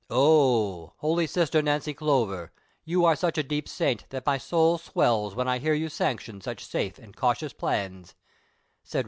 " Oh ! Holy Sister Nancy Clover, you are such a deep saint that my soul swells when I hear you sanction such safe and cautious plans," said Kev.